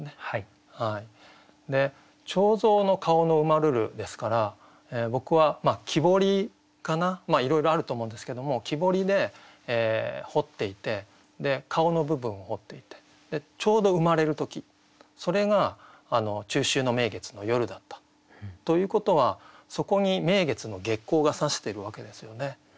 「彫像の顔の生まるる」ですから僕は木彫りかないろいろあると思うんですけども木彫りで彫っていて顔の部分を彫っていてちょうど生まれる時それが中秋の名月の夜だったということはそこに名月の月光がさしてるわけですよね。